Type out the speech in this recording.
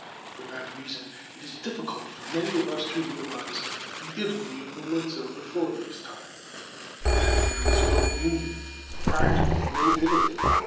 For that reason it is difficult for many of us to realize the Italy of Melozzo da Forlì's (mel ot´ so day for lee´) time. Then there was no union practically no Italy.